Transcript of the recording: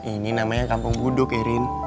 ini namanya kampung buduk erin